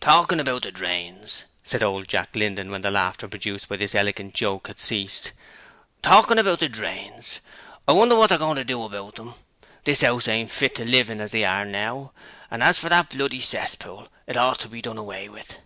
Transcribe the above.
'Talking about the drains,' said old Jack Linden when the laughter produced by this elegant joke had ceased. 'Talking about the drains, I wonder what they're going to do about them; the 'ouse ain't fit to live in as they are now, and as for that bloody cesspool it ought to be done away with.'